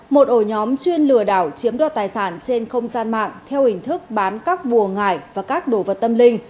một ổ nhóm chuyên lừa đảo chiếm đoạt tài sản trên không gian mạng theo hình thức bán các bùa ngải và các đồ vật tâm linh